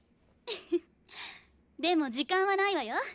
フフッでも時間はないわよ？